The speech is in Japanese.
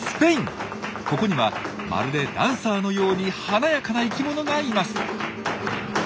ここにはまるでダンサーのように華やかな生きものがいます。